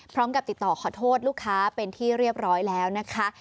พร้อมกับติดต่อขอโทษลูกค้าเป็นที่เรียบร้อยแล้วนะคะ